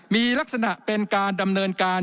มีลักษณะเป็นการดำเนินการ